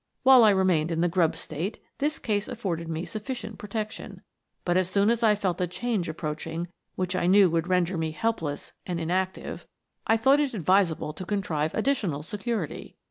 While I remained in the grub state, this case afforded me sufficient protection ; but as soon as I felt a change approaching which I knew would render me helpless and inactive, I thought it advi sable to contrive additional security.